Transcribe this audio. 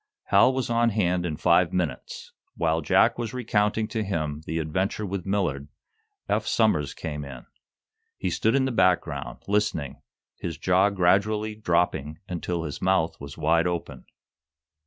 Hal was on hand in five minutes. While Jack was recounting to him the adventure with Millard, Eph Somers came in. He stood in the background, listening, his jaw gradually dropping until his mouth was wide open.